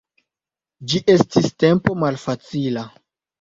Ĝi estis tempo malfacila.